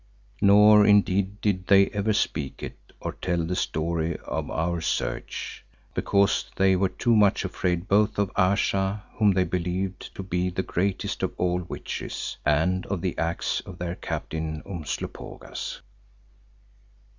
Nor indeed did they ever speak it or tell the story of our search, because they were too much afraid both of Ayesha whom they believed to be the greatest of all witches, and of the axe of their captain, Umslopogaas.